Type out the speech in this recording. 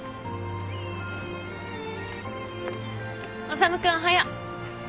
修君おはよう。